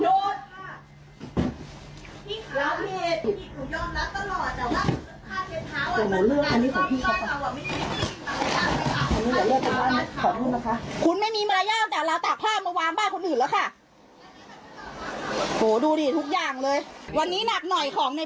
ขอบคุณนะคะคุณไม่มีมารยาทแต่เราตักผ้ามาวางบ้านคนอื่นแล้วค่ะโหดูดิทุกอย่างเลยวันนี้หนักหน่อยของใน